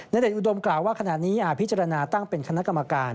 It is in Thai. เดชอุดมกล่าวว่าขณะนี้อาจพิจารณาตั้งเป็นคณะกรรมการ